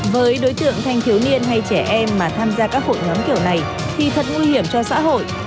với đối tượng thanh thiếu niên hay trẻ em mà tham gia các hội nhóm kiểu này thì thật nguy hiểm cho xã hội